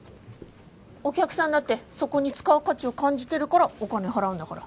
お客さんだってそこに使う価値を感じてるからお金払うんだから。